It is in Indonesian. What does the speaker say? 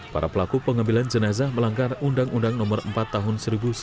para pelaku pengambilan jenazah melanggar undang undang no empat tahun seribu sembilan ratus sembilan puluh